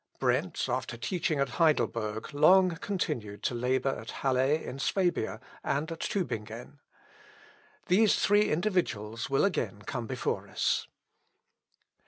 Brentz, after teaching at Heidelberg, long continued to labour at Halle, in Swabia, and at Tubingen. These three individuals will again come before us.